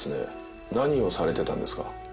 何をされてたんですか？